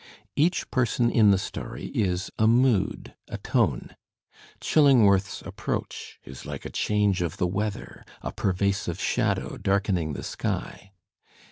Each person in the story is a mood, a tone. Chilling worth^s approach is like a change of the weather, a pervasive shadow darkening the sky.